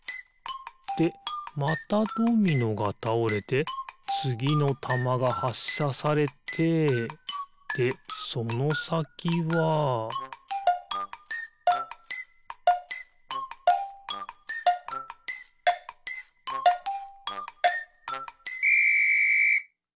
でまたドミノがたおれてつぎのたまがはっしゃされてでそのさきはピッ！